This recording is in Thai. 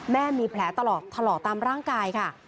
แม่มีแผลตลอดถลอกตามร่างกายค่ะ